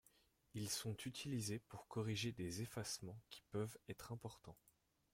Ils sont utilisés pour corriger des effacements qui peuvent être importants.